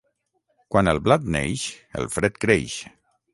Quan el blat neix el fred creix.